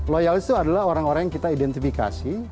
loyalis itu adalah orang orang yang kita identifikasi